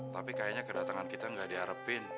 tapi kayaknya kedatangan kita nggak diharapin